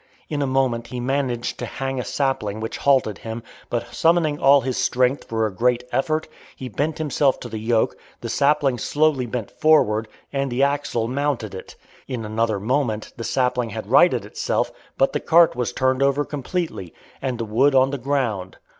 In a moment he managed to hang a sapling which halted him, but summoning all his strength for a great effort, he bent himself to the yoke, the sapling slowly bent forward, and the axle mounted it. In another moment the sapling had righted itself, but the cart was turned over completely, and the wood on the ground.